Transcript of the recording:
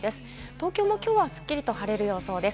東京も今日はすっきりと晴れる予想です。